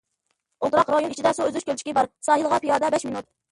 ئولتۇراق رايون ئىچىدە سۇ ئۈزۈش كۆلچىكى بار، ساھىلغا پىيادە بەش مىنۇت.